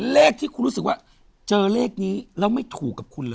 เลขที่คุณรู้สึกว่าเจอเลขนี้แล้วไม่ถูกกับคุณเลย